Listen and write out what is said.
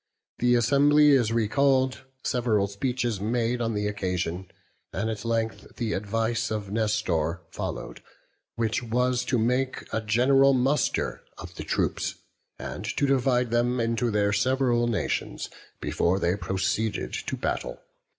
The assembly is recalled, several speeches made on the occasion, and at length the advice of Nestor followed, which was to make a general muster of the troops, and to divide them into their several nations, before they proceeded to battle.